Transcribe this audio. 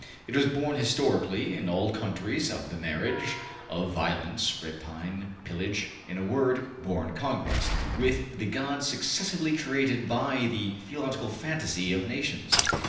It was born historically in all countries of the marriage of violence, rapine, pillage, in a word, war and conquest, with the gods successively created by the theological fantasy of nations.